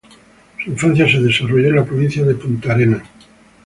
Su infancia se desarrolló en la provincia de Puntarenas.